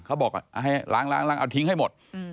เขาบอกให้ล้างเอาทิ้งให้หมด